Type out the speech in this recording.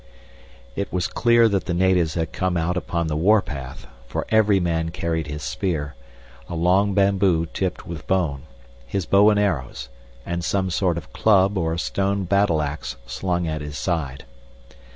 It was clear that the natives had come out upon the war path, for every man carried his spear a long bamboo tipped with bone his bow and arrows, and some sort of club or stone battle axe slung at his side.